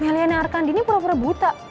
heliana arkandini pura pura buta